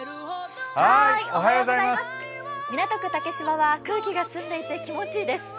港区竹芝は空気が澄んでいて気持ちいいです。